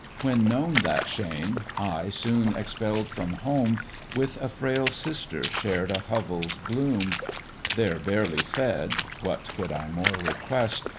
When known that shame, I, soon expell'd from home, With a frail sister shared a hovel's gloom; There barely fed (what could I more request?)